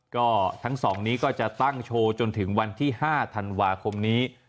ก็ทั้งสองนี้ก็จะตั้งโชว์จนถึงวันที่๕ธันวาคมนี้